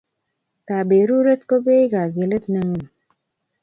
Kaberuret ko peei kogilet ne ngun